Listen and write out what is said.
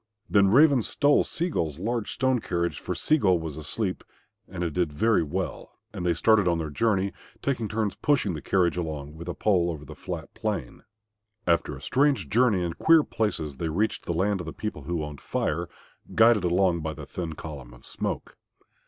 Then Raven stole Sea gull's large strong carriage, for Sea gull was asleep, and it did very well, and they started on their journey, taking turns pushing the carriage along with a pole over the flat plain. After a strange journey in queer places they reached the land of the people who owned Fire, guided along by the thin column of smoke.